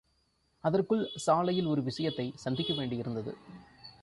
அதற்குள் சாலையில் ஒரு விஷயத்தைச் சந்திக்க வேண்டி இருந்தது.